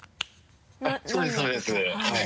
そうですそうですはい。